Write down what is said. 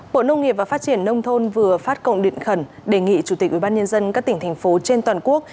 bộ nông nghiệp và phát triển nông thôn vừa phát cộng điện khẩn đề nghị chủ tịch ubnd các tỉnh thành phố trên toàn quốc